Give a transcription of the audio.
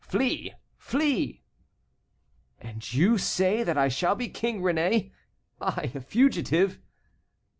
Flee! Flee!" "And you say that I shall be King, Réné? I, a fugitive?"